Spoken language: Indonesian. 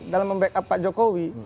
dalam mem backup pak jokowi